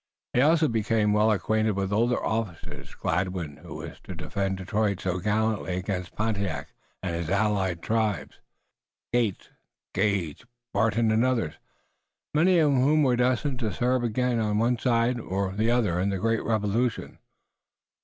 He also became well acquainted with older officers, Gladwin who was to defend Detroit so gallantly against Pontiac and his allied tribes, Gates, Gage, Barton and others, many of whom were destined to serve again on one side or other in the great Revolution.